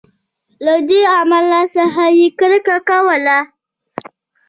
له دې عمل څخه یې کرکه کوله.